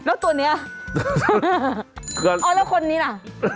แล้วตัวนี้อ๋อแล้วคนนี้ล่ะ